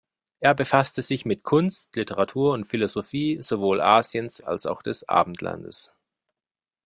Er befasste sich mit Kunst, Literatur und Philosophie sowohl Asiens als auch des Abendlandes.